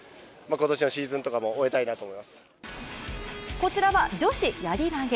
こちらは女子やり投げ。